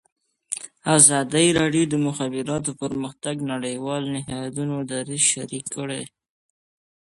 ازادي راډیو د د مخابراتو پرمختګ د نړیوالو نهادونو دریځ شریک کړی.